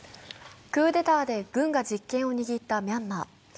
クーデターで軍が実権を握ったミャンマー。